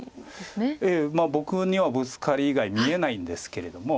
僕にはブツカリ以外見えないんですけれども。